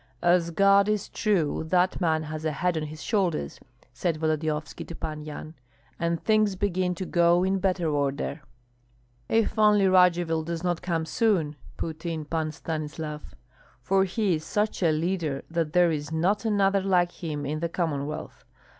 "As God is true, that man has a head on his shoulders," said Volodyovski to Pan Yan, "and things begin to go in better order." "If only Radzivill does not come soon," put in Pan Stanislav, "for he is such a leader that there is not another like him in the Commonwealth.